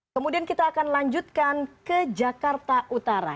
kemudian kita akan lanjutkan ke jakarta utara